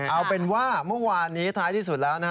เอาเป็นว่าเมื่อวานนี้ท้ายที่สุดแล้วนะฮะ